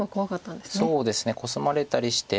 そうですねコスまれたりして。